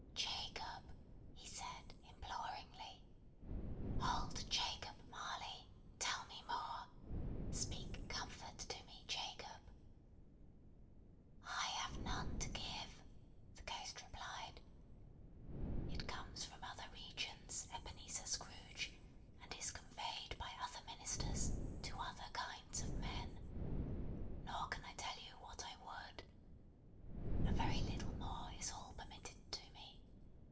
"Jacob," he said, imploringly. "Old Jacob Marley, tell me more. Speak comfort to me, Jacob!" "I have none to give," the Ghost replied. "It comes from other regions, Ebenezer Scrooge, and is conveyed by other ministers, to other kinds of men. Nor can I tell you what I would. A very little more is all permitted to me.